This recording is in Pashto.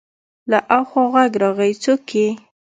له اخوا غږ راغی: څوک يې؟